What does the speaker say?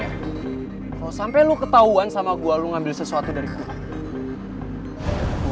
kalau sampai lo ketahuan sama gua lo ngambil sesuatu dari kosan